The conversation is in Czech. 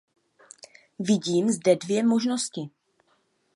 Vidím zde dvě možnosti.